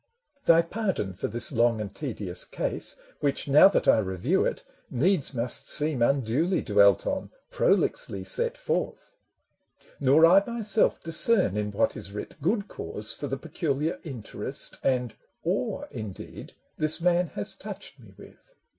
Thy pardon for this long and tedious case, Which, now that I review it, needs must seem Unduly dwelt on, prolixly set forth ! Nor I myself discern in what is writ Good cause for the peculiar interest And awe indeed this man has touched me with.